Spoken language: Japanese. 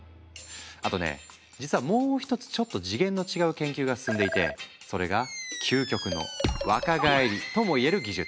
あとね実はもう一つちょっと次元の違う研究が進んでいてそれが究極の若返りともいえる技術。